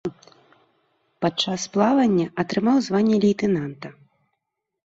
Падчас плавання атрымаў званне лейтэнанта.